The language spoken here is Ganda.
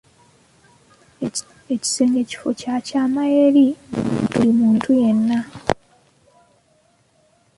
Ekisenge kifo kya kyama eri buli muntu yenna.